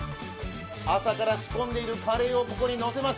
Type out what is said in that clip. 朝から仕込んでいるカレーをそこにのせます。